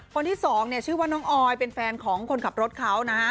คนที่๒ชื่อว่าน้องออยเป็นแฟนของคนขับรถเขานะฮะ